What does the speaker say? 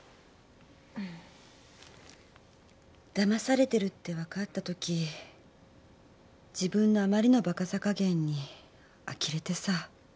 だまされてるって分かったとき自分のあまりのバカさ加減にあきれてさ。